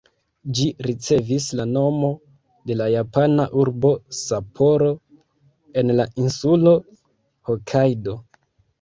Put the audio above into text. Ĝi ricevis la nomo de la japana urbo Sapporo, en la insulo Hokajdo.